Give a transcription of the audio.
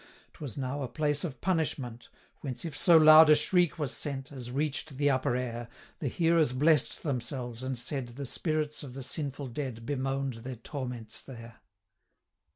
'Twas now a place of punishment; Whence if so loud a shriek were sent, As reach'd the upper air, 330 The hearers bless'd themselves, and said, The spirits of the sinful dead Bemoan'd their torments there.